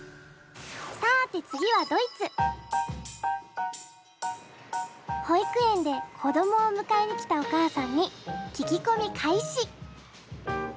さあて次は保育園で子供を迎えに来たお母さんに聞き込み開始。